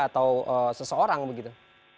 atau seseorang begitu